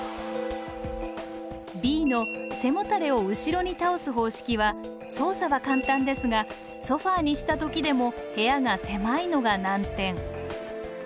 Ｂの背もたれを後ろに倒す方式は操作は簡単ですがソファーにした時でも部屋が狭いのが難点。